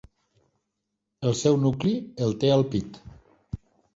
El seu nucli el té al pit.